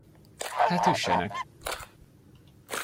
Hát üssenek!